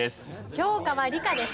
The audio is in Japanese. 教科は理科です。